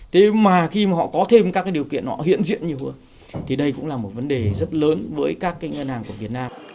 thế mà khi họ có thêm các điều kiện họ hiện diện nhiều hơn thì đây cũng là một vấn đề rất lớn với các ngân hàng của việt nam